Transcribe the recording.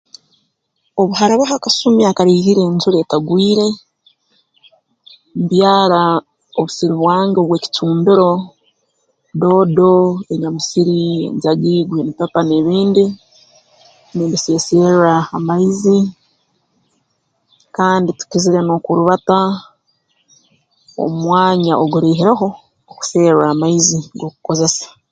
Obu harabaho akasumi akaraihire enjura etagwire mbyara obusiri bwange obw'ekicumbiro doodo enyamusiri enjagi grini pepa n'ebindi nimbiseserra amaizi kandi tukizire n'okurubata omwanya oguraihireho okuserra amaizi g'okukozesa